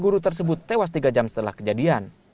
guru tersebut tewas tiga jam setelah kejadian